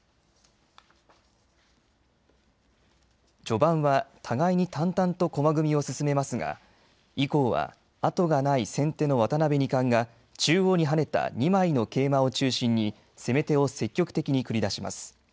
序盤は互いに淡々と駒組みを進めますが以降は、あとがない先手の渡辺二冠が中央にはねた２枚の桂馬を中心に攻め手を積極的に繰り出します。